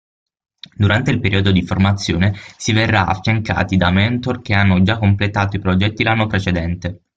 Durante il periodo di formazione si verrà affiancati da Mentor che hanno già completato i progetti l'anno precedente.